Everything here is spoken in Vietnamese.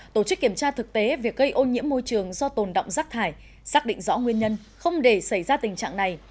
tổ chức kiểm tra thực tế việc gây ô nhiễm môi trường do tồn động rác thải xác định rõ nguyên nhân không để xảy ra tình trạng này